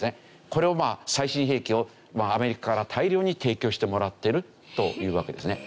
これをまあ最新兵器をアメリカから大量に提供してもらっているというわけですね。